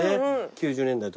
９０年代。